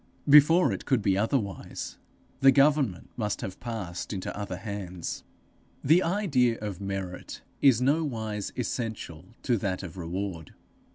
Before it could be otherwise, the government must have passed into other hands. The idea of merit is nowise essential to that of reward.